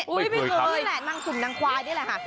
นี่คือนี่แหละนางสุ่มนางควายนี่แหละค่ะ